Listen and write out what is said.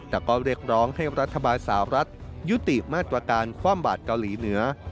แต่ก็เรียกร้องให้รัฐบาลสาวรัฐยุติมาตรการความบาดเกาหลีเหนือ